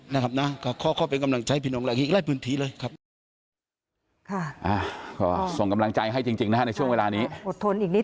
นะครับนะก็ขอเป็นกำลังใจพี่น้องแหละอีกร้ายพื้นทีเลยครับ